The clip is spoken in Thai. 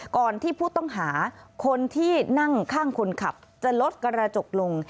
ก่อนที่ผู้ต้องหาคนที่นั่งข้างคนขับจะลดกระจกลง